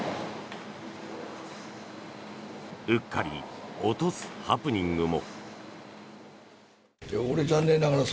うっかり落とすハプニングも。